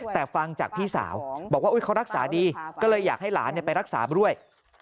แต่ฟังจากพี่สาวบอกว่าเขารักษาดีก็เลยอยากให้หลานไปรักษาด้วย